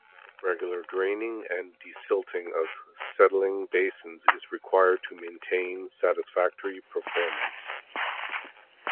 Regular draining and desilting of settling basins is required to maintain satisfactory performance.